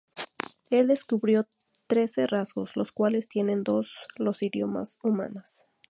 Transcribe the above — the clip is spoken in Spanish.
Él descubrió trece rasgos los cuales tienen todos los idiomas humanas.